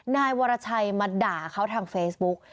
นายวรชัยมาด่าเขาทางเฟซบุ๊ก